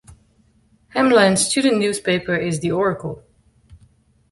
Hamline's student newspaper is The Oracle.